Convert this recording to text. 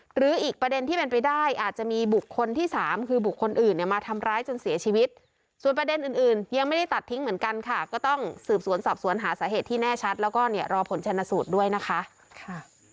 หรืออีกประเด็นที่เป็นไปได้อาจจะมีบุคคลที่สามคือบุคคลอื่นเนี่ยมาทำร้ายจนเสียชีวิตส่วนประเด็นอื่นยังไม่ได้ตัดทิ้งเหมือนกันค่ะก็ต้องสืบสวนสอบสวนหาสาเหตุที่แน่ชัดแล้วก็เนี่ยรอผลชนสูตรด้วยนะคะ